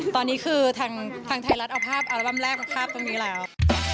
ตอนนี้คือทางไทยรัฐเอาภาพอัลบั้มแรกมาภาพตรงนี้แล้ว